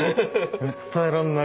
伝えらんない